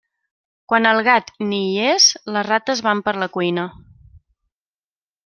Quan el gat ni hi és, les rates van per la cuina.